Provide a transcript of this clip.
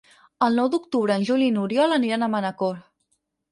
El nou d'octubre en Juli i n'Oriol aniran a Manacor.